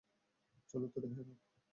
চলো তৈরি হয়ে নাও।